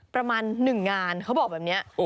ประมาณ๑งานเขาบอกแบบนี้